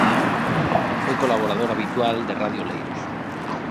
Foi colaboradora habitual de Radio Oleiros.